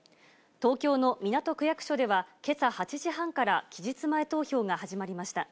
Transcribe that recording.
東京の港区役所では、けさ８時半から期日前投票が始まりました。